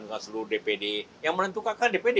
nggak seluruh dpd yang menentukan kan dpd